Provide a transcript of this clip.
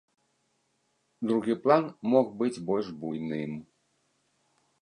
Другі план мог быць больш буйным.